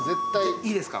いいですか？